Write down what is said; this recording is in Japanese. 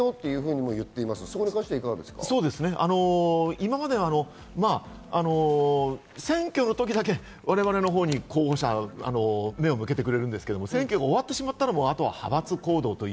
今まで選挙の時だけ、我々のほうに候補者は目を向けてくれるんですけど、選挙が終わったら、派閥行動。